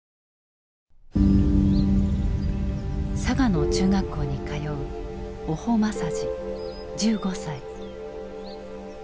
佐賀の中学校に通う於保昌二１５歳。